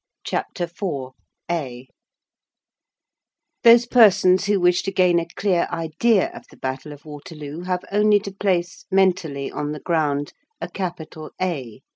CHAPTER IV—A Those persons who wish to gain a clear idea of the battle of Waterloo have only to place, mentally, on the ground, a capital A.